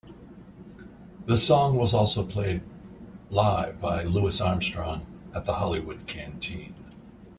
The song was also played live by Louis Armstrong at the Hollywood Canteen.